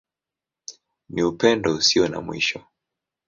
Ni Upendo Usio na Mwisho.